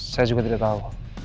saya juga tidak tahu